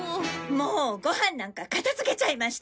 もうご飯なんか片付けちゃいました！